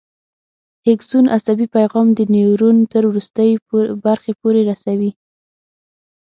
اکسون عصبي پیغام د نیورون تر وروستۍ برخې پورې رسوي.